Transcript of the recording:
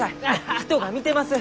人が見てます！